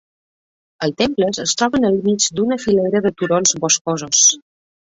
Els temples es troben al mig d'una filera de turons boscosos.